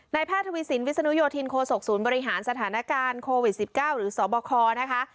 แพทย์ทวีสินวิศนุโยธินโคศกศูนย์บริหารสถานการณ์โควิด๑๙หรือสบคนะคะ